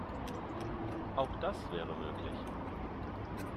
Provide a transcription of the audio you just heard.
Auch das wäre möglich.